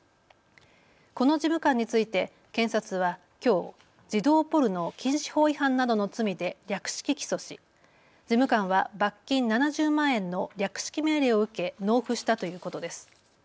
この事務官について検察はきょう児童ポルノ禁止法違反などの罪で略式起訴し事務官は罰金７０万円の略式命令を受け納付したということです。